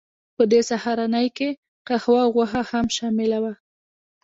په دې سهارنۍ کې قهوه او غوښه هم شامله وه